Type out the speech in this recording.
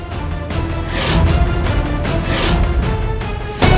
aku ingin membuktikan